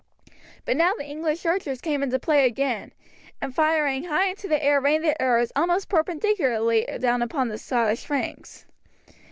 But now the English archers came into play again, and firing high into the air rained their arrows almost perpendicularly down upon the Scottish ranks.